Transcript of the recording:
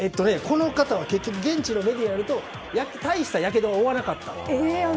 結局、現地のメディアによると大したやけどは負わなかった。